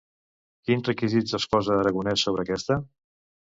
Quins requisits exposa Aragonès sobre aquesta?